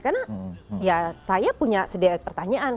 karena ya saya punya sedikit pertanyaan